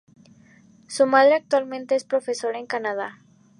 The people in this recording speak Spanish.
Su madre actualmente es profesora en Canadá.